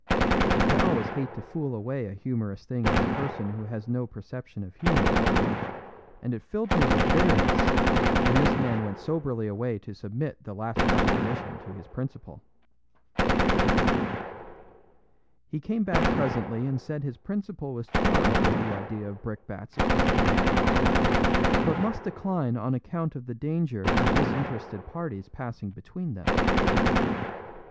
I always hate to fool away a humorous thing on a person who has no perception of humor; and it filled me with bitterness when this man went soberly away to submit the last proposition to his principal. He came back presently and said his principal was charmed with the idea of brickbats at three quarters of a mile, but must decline on account of the danger to disinterested parties passing between them.